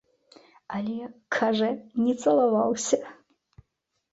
Але, кажа, не цалаваўся.